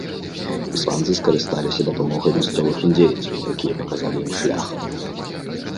Іспанцы скарысталіся дапамогай мясцовых індзейцаў, якія паказалі ім шлях.